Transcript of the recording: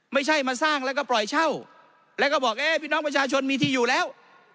ไม่ใช่มาสร้างแล้วก็ปล่อยเช่าแล้วก็บอกเอ๊ะพี่น้องประชาชนมีที่อยู่แล้ว